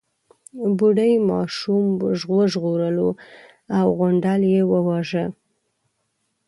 بوډۍ ماشوم وژغورلو او غونډل يې وواژه.